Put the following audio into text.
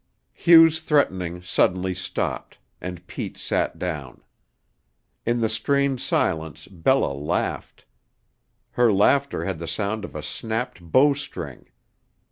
Hugh's threatening suddenly stopped, and Pete sat down. In the strained silence Bella laughed. Her laughter had the sound of a snapped bow string.